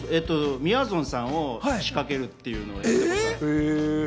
みやぞんさんを仕掛けるというのをやったことはある。